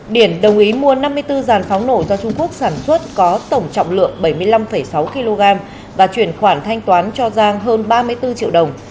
điển đồng ý mua năm mươi bốn giàn pháo nổ do trung quốc sản xuất có tổng trọng lượng bảy mươi năm sáu kg và chuyển khoản thanh toán cho giang hơn ba mươi bốn triệu đồng